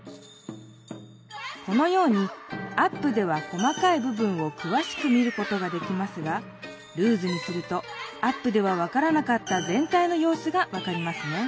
このようにアップではこまかいぶ分をくわしく見ることができますがルーズにするとアップでは分からなかったぜん体のようすが分かりますね。